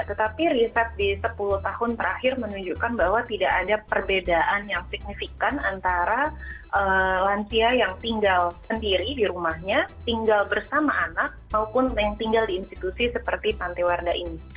tetapi riset di sepuluh tahun terakhir menunjukkan bahwa tidak ada perbedaan yang signifikan antara lansia yang tinggal sendiri di rumahnya tinggal bersama anak maupun yang tinggal di institusi seperti pantai warda ini